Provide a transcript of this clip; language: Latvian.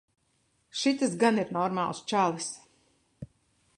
Šitas gan ir normāls čalis.